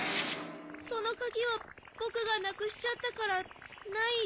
そのカギはぼくがなくしちゃったからないよ。